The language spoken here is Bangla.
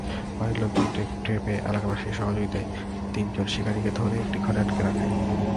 বাড়ির লোকজন টের পেয়ে এলাকাবাসীর সহযোগিতায় তিনজন শিকারিকে ধরে একটি ঘরে আটকে রাখে।